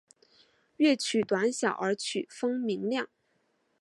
乐曲短小而曲风明亮。